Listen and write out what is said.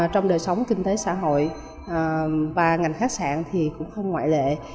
trong đời sống kinh tế xã hội và ngành khách sạn thì cũng không ngoại lệ